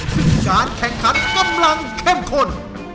ซึ่งการแข่งขันกำลังเข้มข้น